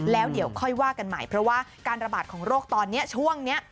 แล้วเดี๋ยวค่อยว่ากันใหม่เพราะว่าการระบาดของโรคตอนนี้ช่วงนี้